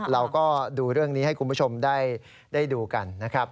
เราก็ดูเรื่องนี้ให้คุณผู้ชมได้ดูกันนะครับ